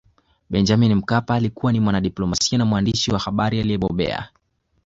Benjamin Mkapa alikuwa ni mwanadiplomasia na mwandishi wa habari aliyebobea